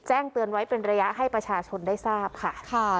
แจ้งเตือนไว้เป็นระยะให้ประชาชนได้ทราบค่ะ